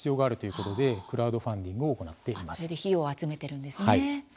それで費用を集めているんですね。